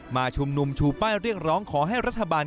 มาชุมนุมชูป้ายเรียกร้องขอให้รัฐบาล